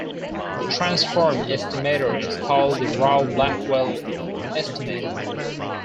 The transformed estimator is called the Rao-Blackwell estimator.